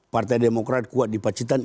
partai demokrat kuat di pacitan